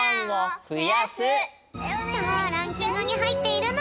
さあランキングにはいっているのか！